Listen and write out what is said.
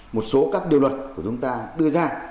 một số các điều luật của chúng ta đưa ra